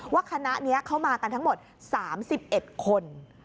คณะนี้เข้ามากันทั้งหมด๓๑คน